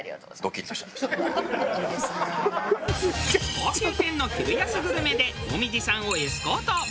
高級店の昼安グルメで紅葉さんをエスコート。